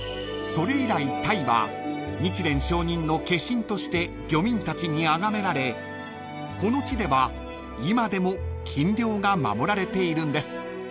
［それ以来鯛は日蓮聖人の化身として漁民たちにあがめられこの地では今でも禁漁が守られているんです］